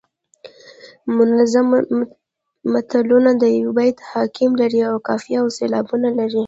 منظوم متلونه د یوه بیت حکم لري او قافیه او سیلابونه لري